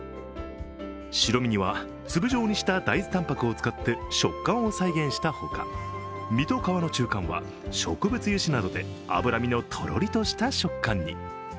白身には、粒状にした大豆たんぱくを使って食感を再現したほか身と皮の中間は植物油脂などで脂身のとろりとした食感に。